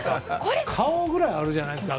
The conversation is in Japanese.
顔ぐらいあるじゃないですか。